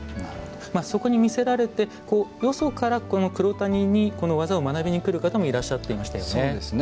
そこにみせられてよそから黒谷にこの技を学びにくる方もいらっしゃいましたよね。